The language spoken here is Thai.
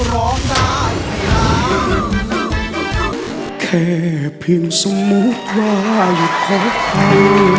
ร้องนายอย่าทำแค่เพียงสมมุติว่าอยู่ข้างใน